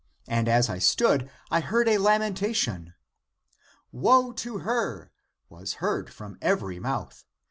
And as I stood, I heard a lamenta tion. Woe to her! was heard from every mouth.